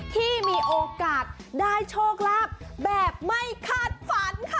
ที่มีโอกาสได้โชคลาภแบบไม่คาดฝันค่ะ